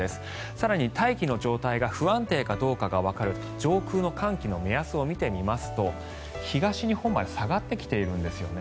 更に大気の状態が不安定かどうかがわかる上空の寒気の目安を見てみますと東日本まで下がってきているんですね。